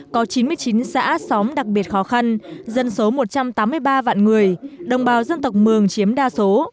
có chín mươi chín xã xóm đặc biệt khó khăn dân số một trăm tám mươi ba vạn người đồng bào dân tộc mường chiếm đa số